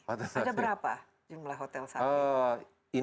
ada berapa jumlah hotel sapi